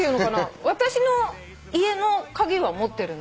私の家の鍵は持ってるんだよ。